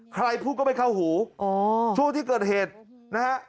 ใครพูดก็ไม่เข้าหูช่วงที่เกิดเหตุนะฮะ